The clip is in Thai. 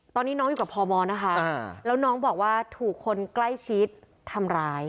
ตอนนี้น้องอยู่กับพมนะคะแล้วน้องบอกว่าถูกคนใกล้ชิดทำร้าย